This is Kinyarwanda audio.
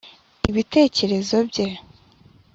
ibitekeerzo bye